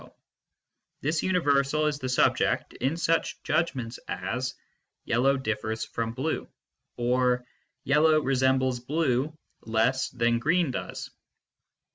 w this universal is the subject in such judgments as " yellow differs from blue " or " yellow resembles blue less than green does."